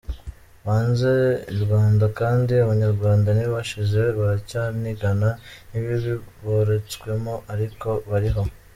Banze I Rwanda kandi abanyarwanda ntibashize baracyanigana n’ibibi boretswemo ariko bariho!